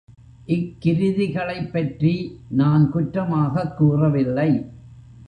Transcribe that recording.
இக் கிருதிகளைப் பற்றி நான் குற்றமாகக் கூறவில்லை.